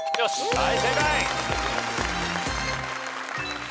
はい。